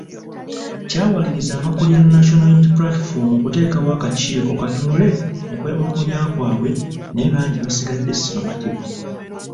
Kyawaliriza abakulira National Unity Platform okuteekawo akakiiko katunule mu kwemulugunya kwabwe naye bangi basigadde si bamativu.